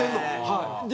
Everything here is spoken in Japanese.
はい。